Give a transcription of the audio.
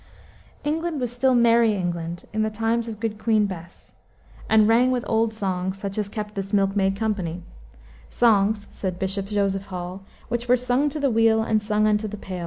England was still merry England in the times of good Queen Bess, and rang with old songs, such as kept this milkmaid company; songs, said Bishop Joseph Hall, which were "sung to the wheel and sung unto the pail."